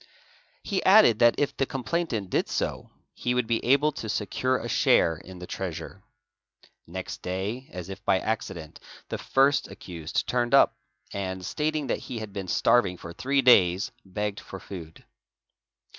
He added that if the complainant did so, he would be able to ' Secure a share in the treasure. Next day, as if by accident, the first ac sused turned up and, stating that he had been starving for three days, begged for food.